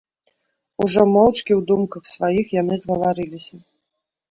Ужо моўчкі ў думках сваіх яны згаварыліся.